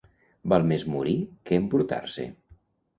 Val més morir que embrutar-se.